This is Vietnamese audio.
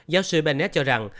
giáo sư bennett cho rằng